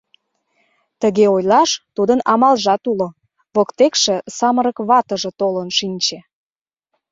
Тыге ойлаш тудын амалжат уло: воктекше самырык ватыже толын шинче.